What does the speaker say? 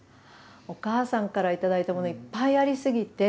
お母さんから頂いたものいっぱいありすぎて。